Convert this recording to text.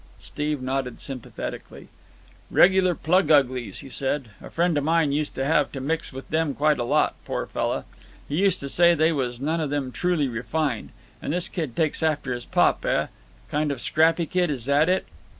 Steve nodded sympathetically. "Regular plug uglies," he said. "A friend of mine used to have to mix with them quite a lot, poor fellah! He used to say they was none of them truly refined. And this kid takes after his pop, eh? Kind of scrappy kid, is that it?"